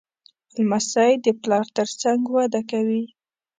لمسی د پلار تر څنګ وده کوي.